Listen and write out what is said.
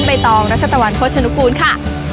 ใบตองรัชตวรรณพจนุกรุณค่ะ